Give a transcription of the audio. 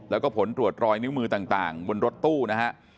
แล้วก็ผลตรวจรอยนิ้วมือต่างบนรถตู้นะฮะ